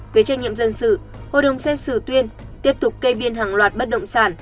về trách nhiệm dân sự hội đồng xét xử tuyên tiếp tục kê biên hàng loạt bất động sản